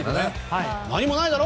何もないだろ？